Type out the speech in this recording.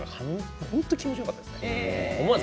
本当に気持ちよかったです。